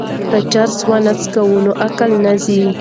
که چرس ونه څښو نو عقل نه ځي.